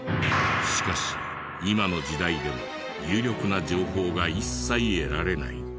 しかし今の時代でも有力な情報が一切得られない。